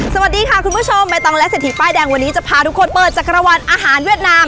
สวัสดีค่ะคุณผู้ชมใบตองและเศรษฐีป้ายแดงวันนี้จะพาทุกคนเปิดจักรวรรณอาหารเวียดนาม